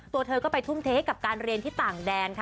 ตัวเธอก็ไปทุ่มเทให้กับการเรียนที่ต่างแดนค่ะ